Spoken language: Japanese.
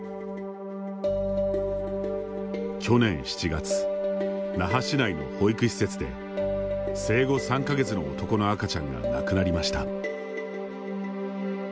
去年７月、那覇市内の保育施設で生後３か月の男の赤ちゃんが亡くなりました。